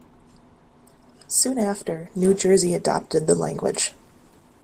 Soon after, New Jersey adopted the language.